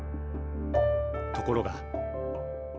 ところが。